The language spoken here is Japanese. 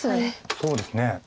そうですね。